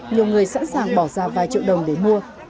nhiều người sẵn sàng bỏ ra vài triệu đồng để mua